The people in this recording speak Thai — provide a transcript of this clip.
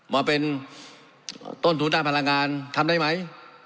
มาเป็นต้นทุนด้านพลังงานทำได้ไหม